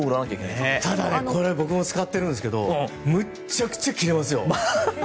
でもこれ僕も使ってますけどむちゃくちゃ切れますよ。